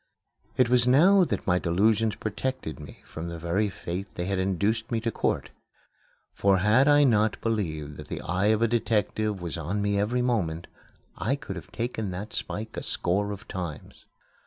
It was now that my delusions protected me from the very fate they had induced me to court. For had I not believed that the eye of a detective was on me every moment, I could have taken that spike a score of times.